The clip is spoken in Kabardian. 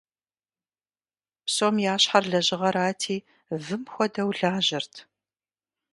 Псом ящхьэр лэжьыгъэрати, вым хуэдэу лажьэрт.